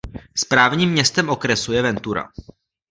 Správním městem okresu je Ventura.